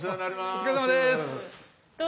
お疲れさまです。